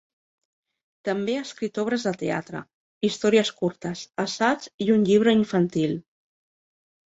També ha escrit obres de teatre, històries curtes, assaigs i un llibre infantil.